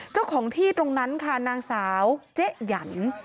เจ้าของที่ตรงนั้นค่ะนางสาวเจ๊หยัน